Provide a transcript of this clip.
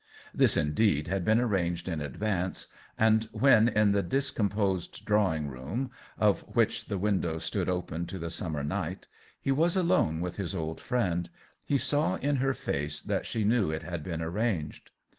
This, indeed, had been arranged in advance, and when, in the dis composed drawing room, of which the win dows stood open to the summer night, he was alone with his old friend, he saw in her face that she knew it had been arranged.